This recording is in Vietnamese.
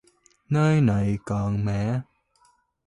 Nơi này còn mẹ